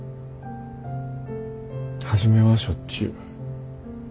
初めはしょっちゅう。